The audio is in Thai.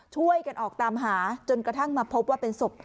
ช่วยกันออกตามหาจนกระทั่งมาพบว่าเป็นศพ